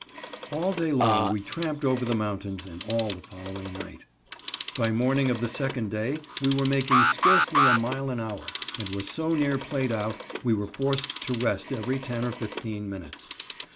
All day long we tramped over the mountains, and all the following night. By morning of the second day we were making scarcely a mile an hour, and were so near played out we were forced to rest every ten or fifteen minutes.